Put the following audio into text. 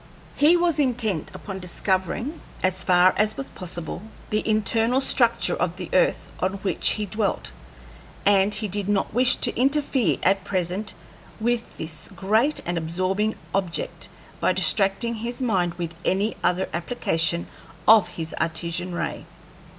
He was intent upon discovering, as far as was possible, the internal structure of the earth on which he dwelt, and he did not wish to interfere at present with this great and absorbing object by distracting his mind with any other application of his Artesian ray.